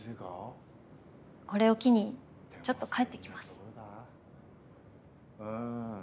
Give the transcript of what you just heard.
これを機にちょっと帰ってきます。